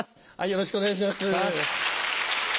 よろしくお願いします。